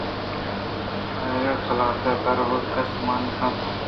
آئراقلاتءِ تہا روگ ءَ کس مہ کن نہ کنت